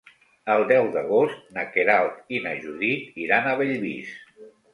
El deu d'agost na Queralt i na Judit iran a Bellvís.